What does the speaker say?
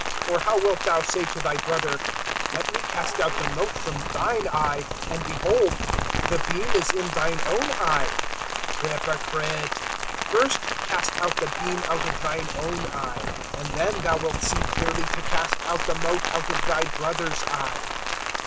(4)Or how wilt thou say to thy brother: Let me cast out the mote from thine eye; and behold, the beam is in thine own eye? (5)Hypocrite! first cast out the beam out of thine own eye; and then thou wilt see clearly to cast out the mote out of thy brother's eye.